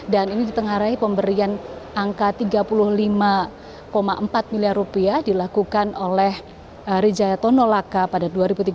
dan ini ditengarai pemberian angka rp tiga puluh lima empat miliar dilakukan oleh rijatono laka pada dua ribu tiga belas dua ribu delapan belas